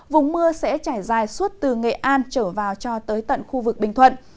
vùng mưa sẽ trải dài suốt từ nghệ an trở vào cho tới tận khu vực bình thuận